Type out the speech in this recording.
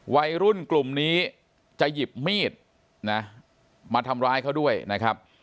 วัยรุ่นกลุ่มนี้จะหยิบมีดนะมาทำร้ายเขาด้วยนะครับ